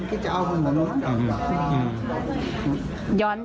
ที่ทะเลาะกัน